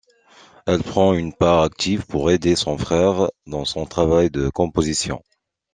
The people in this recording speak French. Elle prend une part active pour aider son frère dans son travail de composition.